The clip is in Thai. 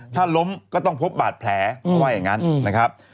ถ้าล้มก็ต้องพบบาดแผลเขาว่าอย่างนั้นนะครับ